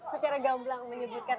secara gamblang menyebutkan